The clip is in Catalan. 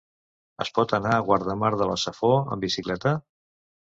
Es pot anar a Guardamar de la Safor amb bicicleta?